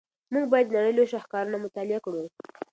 موږ باید د نړۍ لوی شاهکارونه مطالعه کړو.